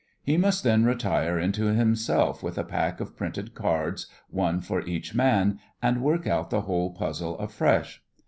He must then retire into himself with a pack of printed cards, one for each man, and work out the whole puzzle afresh.